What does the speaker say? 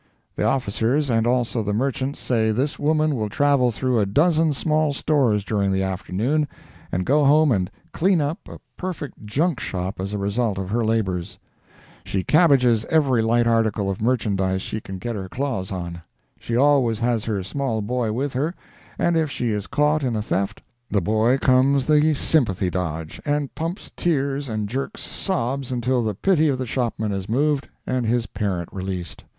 The officers, and also the merchants, say this woman will travel through a dozen small stores during the afternoon, and go home and "clean up" a perfect junk shop as a result of her labors. She cabbages every light article of merchandise she can get her claws on. She always has her small boy with her and if she is caught in a theft, the boy comes the sympathy dodge, and pumps tears and jerks sobs until the pity of the shopman is moved, and his parent released.